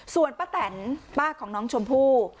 ส่วนป้าแตนป้าของน้องชมพู่